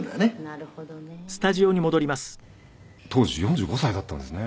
「なるほどね」当時４５歳だったんですね。